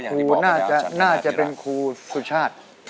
ครูน่าจะเป็นครูสุชาติ